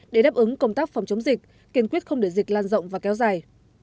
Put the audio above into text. để đáp ứng công tác phòng chống dịch kiên quyết không để dịch lan rộng và kéo dài